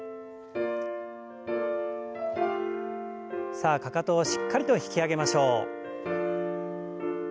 さあかかとをしっかりと引き上げましょう。